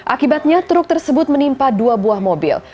akibatnya truk tersebut menimpa dua buah mobil